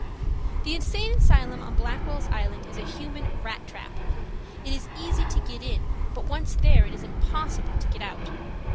The insane asylum on Blackwell's Island is a human rat trap. It is easy to get in, but once there it is impossible to get out.